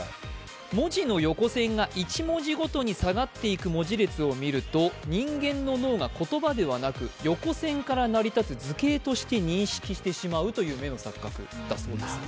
文字の横線が１文字ごとに下がっていく文字列を見ると人間の脳が言葉ではなく横線から成り立つ図形として認識してしまうという目の錯覚だそうです。